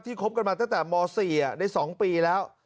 คบกันมาตั้งแต่ม๔ใน๒ปีแล้ว